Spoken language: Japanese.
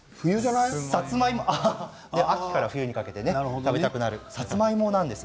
秋から冬にかけて食べたくなるさつまいもなんです。